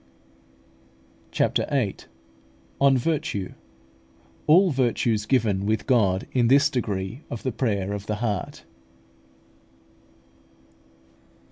CHAPTER VIII. ON VIRTUE ALL VIRTUES GIVEN WITH GOD IN THIS DEGREE OF THE PRAYER OF THE HEART.